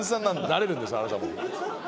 なれるんですあなたも。